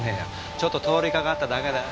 ちょっと通りかかっただけだよ。